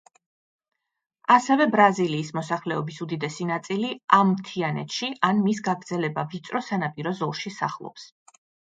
ასევე, ბრაზილიის მოსახლეობის უდიდესი ნაწილი ამ მთიანეთში ან მის გაგრძელება ვიწრო სანაპირო ზოლში სახლობს.